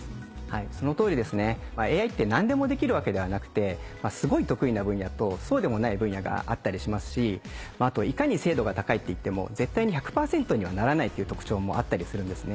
その通りですねＡＩって何でもできるわけではなくてすごい得意な分野とそうでもない分野があったりしますしあといかに精度が高いっていっても絶対に１００％にはならないっていう特徴もあったりするんですね。